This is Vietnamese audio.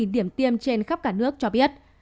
điểm tiêm trên khắp cả nước cho biết